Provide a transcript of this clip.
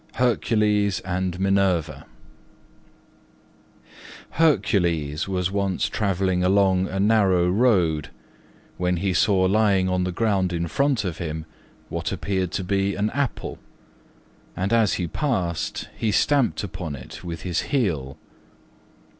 HERCULES AND MINERVA Hercules was once travelling along a narrow road when he saw lying on the ground in front of him what appeared to be an apple, and as he passed he stamped upon it with his heel.